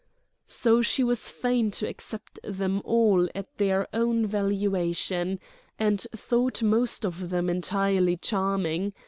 So she was fain to accept them all at their own valuation, and thought most of them entirely charming.